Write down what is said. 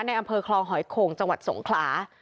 อำเภอคลองหอยโข่งจังหวัดสงขลา